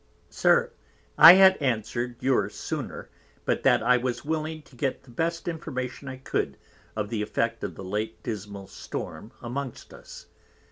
SIR, I had answer'd yours sooner, but that I was willing to get the best Information I could of the effect of the late dismal Storm amongst us.